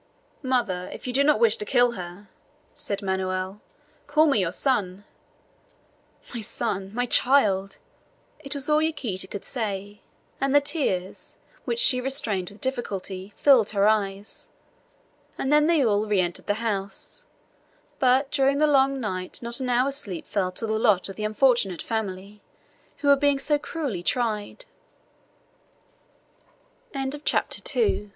"Mother, if you do not wish to kill her," said Manoel, "call me your son!" "My son! my child!" It was all Yaquita could say, and the tears, which she restrained with difficulty, filled her eyes. And then they all re entered the house. But during the long night not an hour's sleep fell to the lot of the unfortunate family who were being so cruelly tried. CHAPTER III.